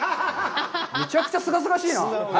むちゃくちゃすがすがしいな。